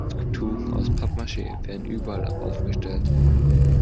Skulpturen aus Pappmaschee werden überall aufgestellt.